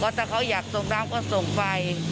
ถ้าเขาอยากส่งน้ำก็ส่งไป